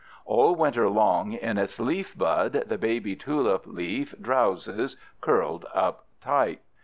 All winter long in its leaf bud the baby tulip leaf drowses, curled up tight.